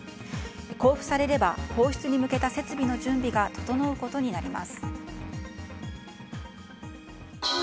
交付されれば放出に向けた設備の準備が整うことになります。